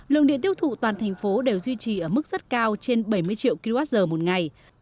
lượng điện tiêu thụ toàn thành phố đều duy trì ở mức rất cao trên bảy mươi triệu kwh một ngày